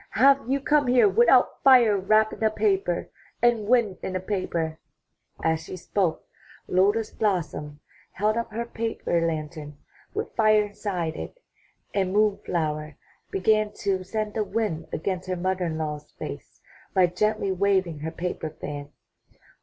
''Have you come here without fire wrapped in a paper, and wind in a paper?'* As she spoke, Lotus blossom held up her paper lantern with fire inside it, and Moon flower began to send the wind against her mother in law's face by gently waving her paper fan.